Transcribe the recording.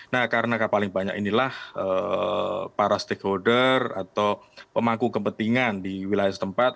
nah karena paling banyak inilah para stakeholder atau pemangku kepentingan di wilayah setempat